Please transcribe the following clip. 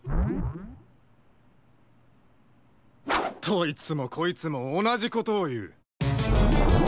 どいつもこいつもおなじことをいう。